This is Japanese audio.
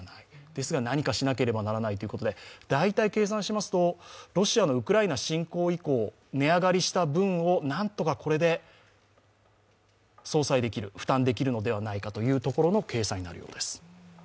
ですが何かしなければならないということで、大体計算しますとロシアのウクライナ侵攻以降、値上がりした分をなんとかこれで相殺できる、負担できるのではないかというところの計算によるみたいです。